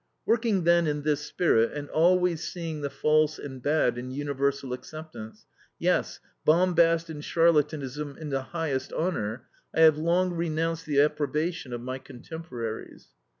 Working then in this spirit, and always seeing the false and bad in universal acceptance, yea, bombast(3) and charlatanism(4) in the highest honour, I have long renounced the approbation of my contemporaries.